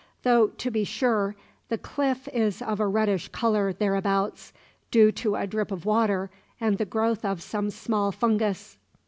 "Though, to be sure, the cliff is of a reddish colour thereabouts, due to a drip of water and the growth of some small fungus."